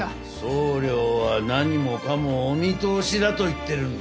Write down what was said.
総領は何もかもお見通しだと言ってるんだ。